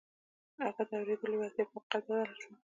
د هغه د اورېدو لېوالتیا پر حقيقت بدله شوه.